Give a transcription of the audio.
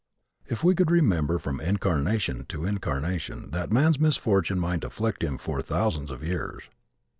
If we could remember from incarnation to incarnation that man's misfortune might afflict him for thousands of years.